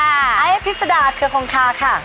อ่าอัยะพิสดาเคือคงค่าค่ะ